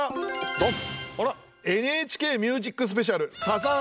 ドン！